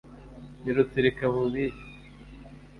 Ni rutsirika bubihe